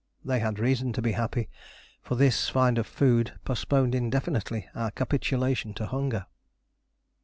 They had reason to be happy, for this find of food postponed indefinitely our capitulation to hunger.